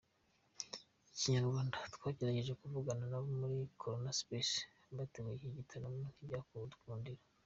Inyarwanda twagerageje kuvugana n'abo muri Corona Space bateguye iki gitaramo ntibyadukundira.